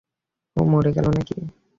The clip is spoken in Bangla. ও মরে গেলো নাকি?